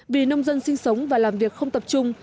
vì nông dân sinh sống và làm việc không tập trung